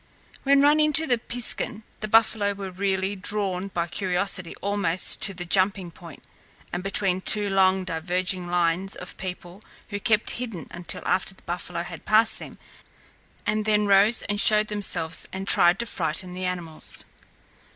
When run into the piskun, the buffalo were really drawn by curiosity almost to the jumping point, and between two long diverging lines of people, who kept hidden until after the buffalo had passed them, and then rose and showed themselves and tried to frighten the animals.